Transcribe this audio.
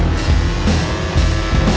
masih lu nunggu